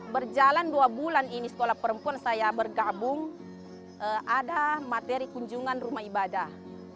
berjalan dua bulan ini sekolah perempuan saya bergabung ada materi kunjungan rumah ibadah